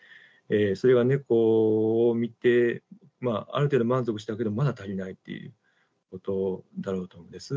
それは猫を見て、ある程度満足したけど、まだ足りないっていうことだろうと思うんです。